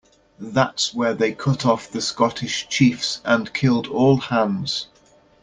That's where they cut off the Scottish Chiefs and killed all hands.